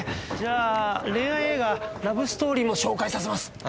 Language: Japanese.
じゃあ恋愛映画ラブストーリーも紹介させます。